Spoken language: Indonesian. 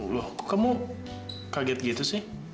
loh kamu kaget gitu sih